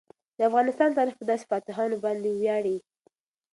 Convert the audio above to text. د افغانستان تاریخ په داسې فاتحانو باندې ویاړي.